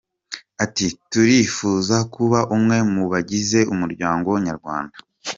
Ati “Turifuza kuba umwe mu bagize umuryango Nyarwanda.